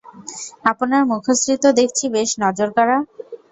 আপনার মুখশ্রী তো দেখছি বেশ নজরকাড়া!